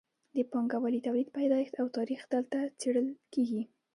د پانګوالي تولید پیدایښت او تاریخ دلته څیړل کیږي.